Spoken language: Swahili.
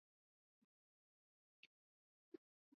Sumeri na Babeli Baada ya kusambaratika kwa milki ya Waturuki